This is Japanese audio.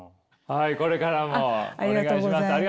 はいこれからもお願いします。